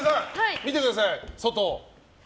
見てください、外。